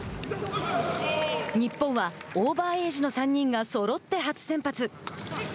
日本はオーバーエイジの３人がそろって初先発。